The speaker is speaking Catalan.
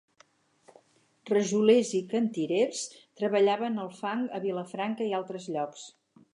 Rajolers i cantirers treballaven el fang a Vilafranca i altres llocs.